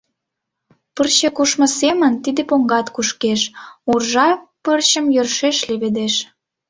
Пырче кушмо семын тиде поҥгат кушкеш, уржа пырчым йӧршеш леведеш.